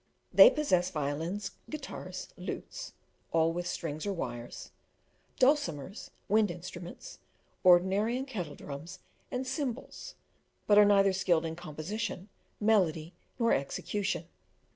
They possess violins, guitars, lutes (all with strings or wires), dulcimers, wind instruments, ordinary and kettle drums, and cymbals, but are neither skilled in composition, melody, nor execution.